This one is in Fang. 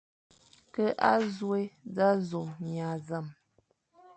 Ke azôe, nẑa zôme, nya zame,